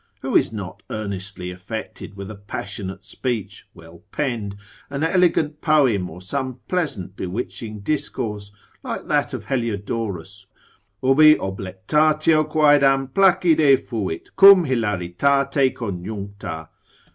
Who is not earnestly affected with a passionate speech, well penned, an elegant poem, or some pleasant bewitching discourse, like that of Heliodorus, ubi oblectatio quaedam placide fuit, cum hilaritate conjuncta?